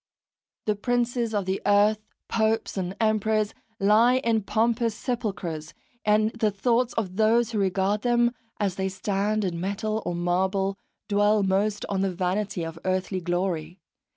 The princes of the earth, popes and emperors, lie in pompous sepulchres, and the thoughts of those who regard them, as they stand in metal or marble, dwell most on the vanity of earthly glory.